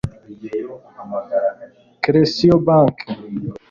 Clesio Bauque